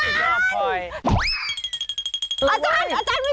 ตายแล้วหาล๋วย